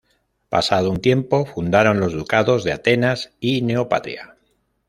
Pasado un tiempo fundaron los ducados de Atenas y Neopatria.